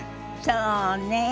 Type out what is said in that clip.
そうね。